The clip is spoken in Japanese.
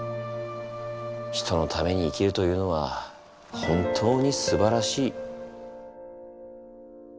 人のために生きるというのは本当にすばらしい。